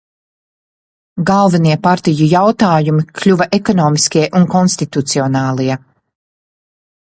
Galvenie partiju jautājumi kļuva ekonomiskie un konstitucionālie.